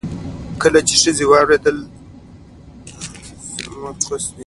کله چې ښځې واورېدل شي، سمې پرېکړې کېږي.